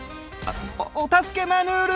おお助けマヌル！